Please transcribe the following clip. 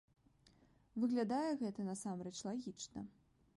Выглядае гэта, насамрэч, лагічна.